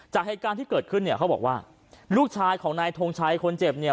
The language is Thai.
จากแห่งการที่เกิดขึ้นเขาบอกว่าลูกชายของนายทงใชคุณเจ็บ